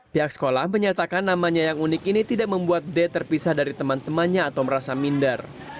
pihak sekolah menyatakan namanya yang unik ini tidak membuat d terpisah dari teman temannya atau merasa minder